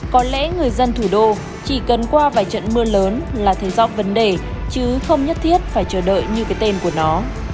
có lẽ người dân thủ đô chỉ cần qua vài trận mưa lớn là thấy rõ vấn đề chứ không nhất thiết phải chờ đợi như cái tên của nó